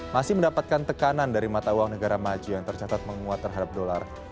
masih mendapatkan tekanan dari mata uang negara maju yang tercatat menguat terhadap dolar